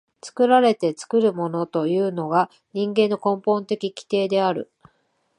作られて作るものというのが人間の根本的規定である。